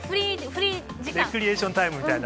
レクリエーションタイムみたいな。